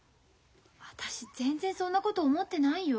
私全然そんなこと思ってないよ？